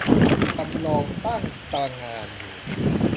จำลองตั้งตระหง่านอยู่